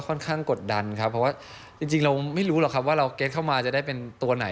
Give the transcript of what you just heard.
ค่อนข้างกดดันครับเพราะว่าจริงเราไม่รู้หรอกครับว่าเราเก็ตเข้ามาจะได้เป็นตัวไหน